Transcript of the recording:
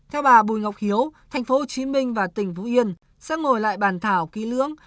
theo bà bùi ngọc hiếu tp hcm và tỉnh phú yên sẽ ngồi lại bàn thảo kỹ lưỡng